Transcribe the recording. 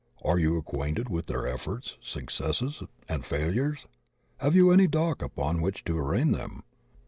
Are you acquainted with their efforts, suc cesses, and failures? Have you any dock upon which to arraign them?